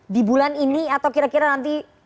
di bulan ini atau kira kira nanti